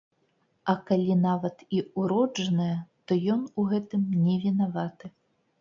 А калі нават і ўроджаная, то ён у гэтым не вінаваты.